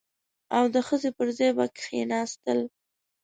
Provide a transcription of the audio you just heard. او د ښځې پر ځای به کښېناستل.